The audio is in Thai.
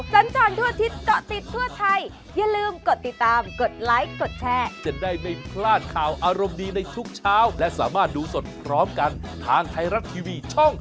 โปรดติดตามตอนต่อไป